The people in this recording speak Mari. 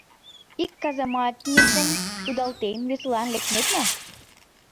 Ик казаматньыкым кудалтен, весылан лекнет мо?